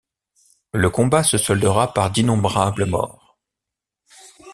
Le combat se soldera par d'innombrables morts.